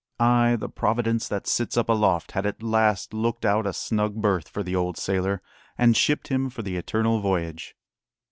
Ay, the "Providence that sits up aloft" had at last looked out a snug berth for the old sailor, and shipped him for the Eternal Voyage.